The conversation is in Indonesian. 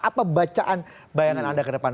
apa bacaan bayangan anda ke depan